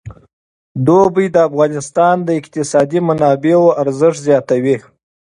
اوړي د افغانستان د اقتصادي منابعو ارزښت زیاتوي.